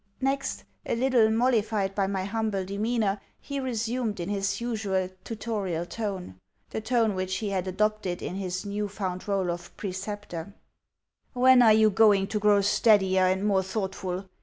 Next, a little mollified by my humble demeanour, he resumed in his usual tutorial tone the tone which he had adopted in his new found role of preceptor: "When are you going to grow steadier and more thoughtful?